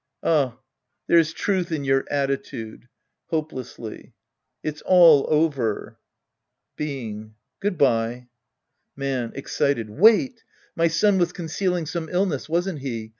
Ah, there's truth in your attitude. {Hopelessly^ It's all over ! Being. Good bye. Man {excited). Wait. My son was concealing some illness, wasn't he